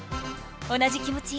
同じ気持ちよ。